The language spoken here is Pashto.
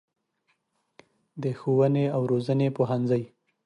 د ښوونې او روزنې پوهنځی